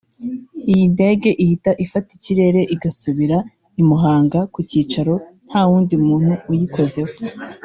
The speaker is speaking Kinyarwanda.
iyi ndege ihita ifata ikirere igasubira i Muhanga ku cyicaro nta wundi muntu uyikozeho